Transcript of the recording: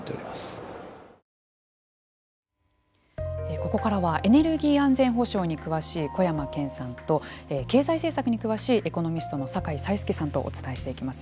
ここからはエネルギー安全保障に詳しい小山堅さんと経済政策に詳しいエコノミストの酒井才介さんとお伝えしていきます。